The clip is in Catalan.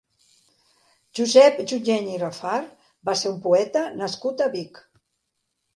Josep Junyent i Rafart va ser un poeta nascut a Vic.